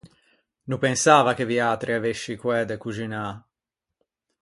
No pensava che viatri avesci coæ de coxinâ.